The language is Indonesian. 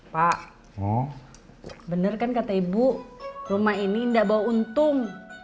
pak bener kan kata ibu rumah ini tidak bawa untung